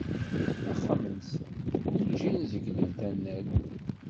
Axxam-nsen, urǧin zegglen tanalt.